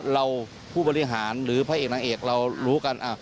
เราผู้บริหารหรือพระเอกเรารู้กัน